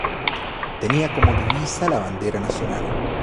Tenía como divisa la bandera nacional.